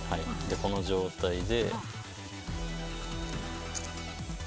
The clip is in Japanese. この状態で。